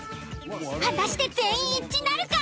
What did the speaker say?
果たして全員一致なるか！？